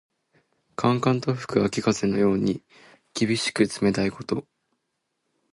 寒々と吹く秋風のように、厳しく冷たいこと。